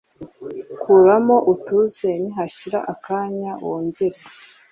kuramo utuze nihashira akanya wongere,.